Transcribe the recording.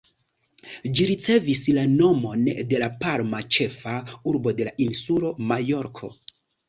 Ĝi ricevis la nomon de Palma, ĉefa urbo de la insulo Majorko.